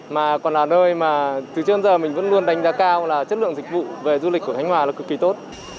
mà còn là nơi mà từ trước đến giờ mình vẫn luôn đánh giá cao là chất lượng dịch vụ về du lịch của khánh hòa là cực kỳ tốt